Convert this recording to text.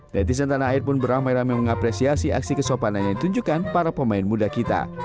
netizen tanah air pun beramai ramai mengapresiasi aksi kesopanan yang ditunjukkan para pemain muda kita